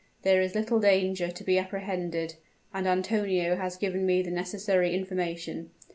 There is little danger to be apprehended; and Antonio has given me the necessary information.